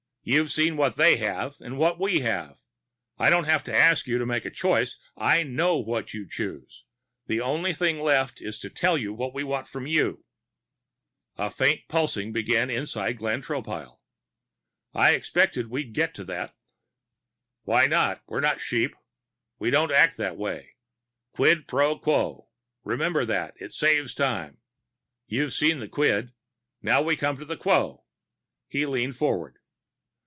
You've seen what they have and what we have. I don't have to ask you to make a choice. I know what you choose. The only thing left is to tell you what we want from you." A faint pulsing began inside Glenn Tropile. "I expected we'd be getting to that." "Why not? We're not sheep. We don't act that way. Quid pro quo. Remember that it saves time. You've seen the quid. Now we come to the quo." He leaned forward.